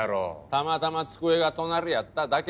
たまたま机が隣やっただけ。